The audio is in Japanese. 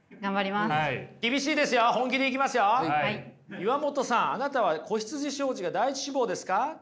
岩本さんあなたは子羊商事が第１志望ですか？